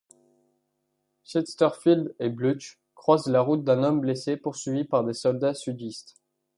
Chesterfield et Blutch croisent la route d'un homme blessé poursuivi par des soldats sudistes.